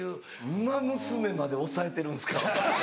『ウマ娘』まで押さえてるんすか？